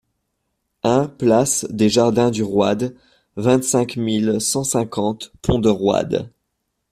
un place des Jardins du Roide, vingt-cinq mille cent cinquante Pont-de-Roide